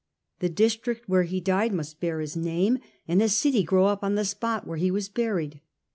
The district where he died must bear his name, and a city grow on the spot where he was buried.